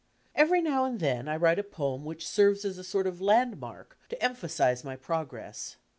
Every now and dien I write a poem which serves as a sort of landmaric to efnphasi2e my progress.